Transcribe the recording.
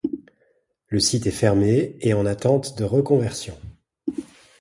Le site est fermé et en attente de reconversion.